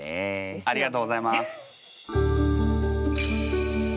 ありがとうございます。